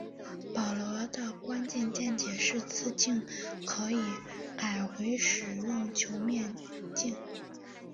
保罗的关键见解是次镜可以改回使用球面镜。